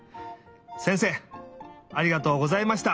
せんせいありがとうございました！